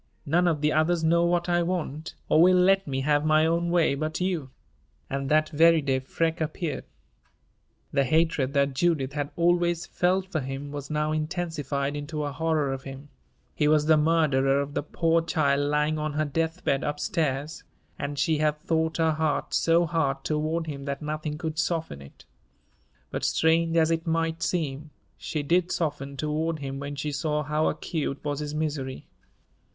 None of the others know what I want, or will let me have my own way, but you." And that very day Freke appeared. The hatred that Judith had always felt for him was now intensified into a horror of him he was the murderer of the poor child lying on her death bed up stairs and she had thought her heart so hard toward him that nothing could soften it; but, strange as it might seem, she did soften toward him when she saw how acute was his misery.